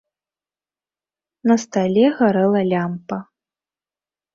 На стале гарэла лямпа.